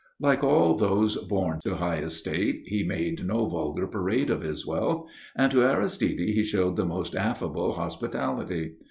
Like all those born to high estate, he made no vulgar parade of his wealth, and to Aristide he showed the most affable hospitality.